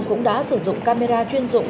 cũng đã sử dụng camera chuyên dụng